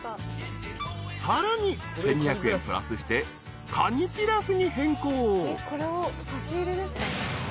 ［さらに１，２００円プラスしてカニピラフに変更］